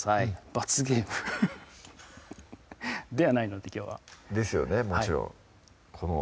罰ゲームフフフではないのできょうはですよねもち